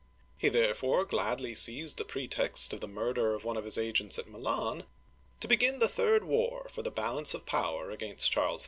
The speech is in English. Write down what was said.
He therefore gladly seized the pretext of the murder of one of his agents at Milan to begin the Third War for the Balance of Power against Charles V.